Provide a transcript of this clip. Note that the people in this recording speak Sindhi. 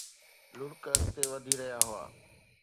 لڙڪ اڳتي وڌي رهيا هئا